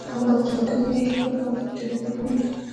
وخت هلته په چټکۍ تیریږي.